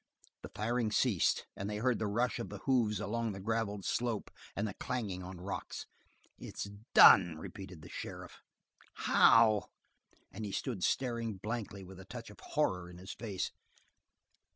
The firing ceased, and they heard the rush of the hoofs along the graveled slope and the clanging on rocks. "It's done," repeated the sheriff. "How?" And he stood staring blankly, with a touch or horror in his face.